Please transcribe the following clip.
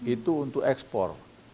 itu untuk ekspor